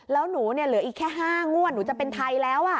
แล้วหนูเนี่ยเหลืออีกแค่๕งวดหนูจะเป็นไทยแล้ว